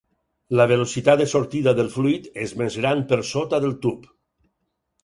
La velocitat de sortida del fluid és més gran per sota del tub.